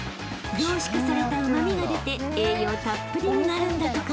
［凝縮されたうま味が出て栄養たっぷりになるんだとか］